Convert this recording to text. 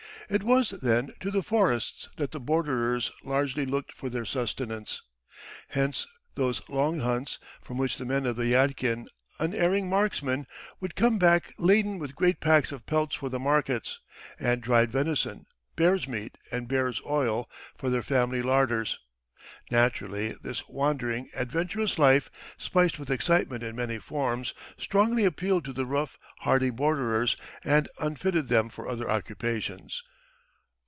It was, then, to the forests that the borderers largely looked for their sustenance. Hence those long hunts, from which the men of the Yadkin, unerring marksmen, would come back laden with great packs of pelts for the markets, and dried venison, bear's meat, and bear's oil for their family larders. Naturally, this wandering, adventurous life, spiced with excitement in many forms, strongly appealed to the rough, hardy borderers, and unfitted them for other occupations.